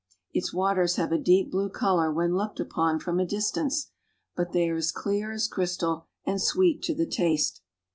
Its waters have a deep blue I color when looked upon from a distance, but they are as I clear as crystal and sweet to the taste.